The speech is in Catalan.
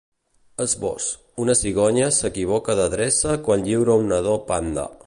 Esbós: Una cigonya s’equivoca d’adreça quan lliura un nadó panda.